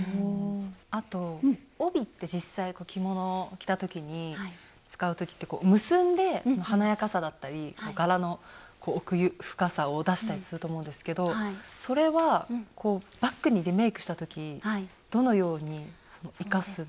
あと帯って実際着物を着た時に使う時って結んで華やかさだったり柄の奥深さを出したりすると思うんですけどそれはこうバッグにリメイクした時どのように生かすんですか？